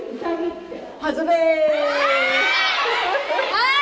はい！